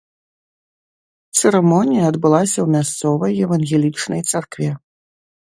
Цырымонія адбылася ў мясцовай евангелічнай царкве.